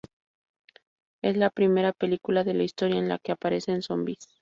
Es la primera película de la historia en la que aparecen zombis.